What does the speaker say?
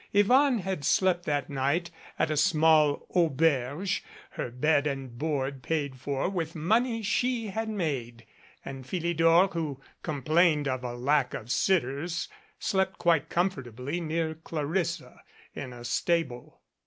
Yvonne had slept that night at a small auberge, her bed and board paid for with money she had made, and Phili dor, who complained of a lack of sitters, slept quite com fortably near Clarissa in a stable.